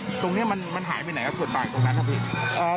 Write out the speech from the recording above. แต่ส่วนตามันต้องหายไปไหนตรงนั้นครับพี่